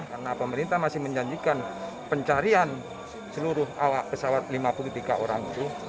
karena pemerintah masih menjanjikan pencarian seluruh awak pesawat lima puluh tiga orang itu